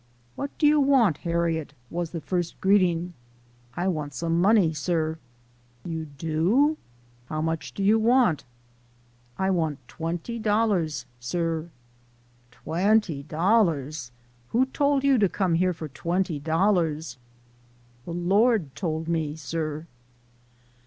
" What do you want, Harriet ?" was the first greeting. " I want some money, sir." " You do ? How much do you want ?" 110 APPENDIX. " I want twenty dollars, sir." " Twenty dollars f Who told you to come here for twenty dollars ?"" De Lord tole me, sir."